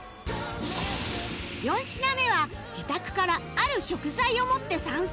４品目は自宅からある食材を持って参戦